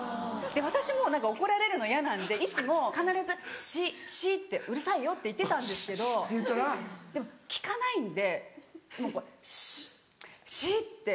私も怒られるの嫌なんでいつも必ず「シッシッうるさいよ」って言ってたんですけどでも聞かないんで「シっシっ」